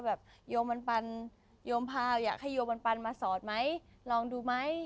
เออยวมบรรปันยวมพาอยากให้ยวมบรรปันมาสอนไหมลองดูไหม